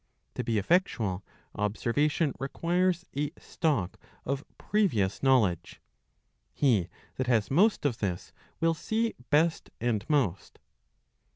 To be effectual, observation requires a stock of previou s | ^fe— knowledge. He that has most of this will see best and most.